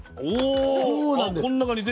そうなんです。